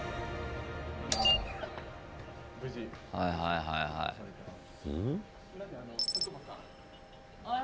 はいはいはいはい。